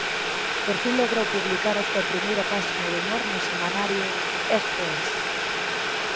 Por fin logrou publicar a súa primeira páxina de humor no semanario "Esto es".